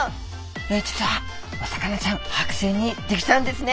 実はお魚ちゃんはく製にできちゃうんですね。